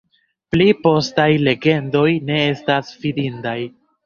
Pli postaj legendoj ne estas fidindaj.